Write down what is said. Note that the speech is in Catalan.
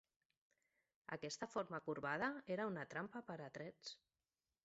Aquesta forma corbada era una trampa per a trets.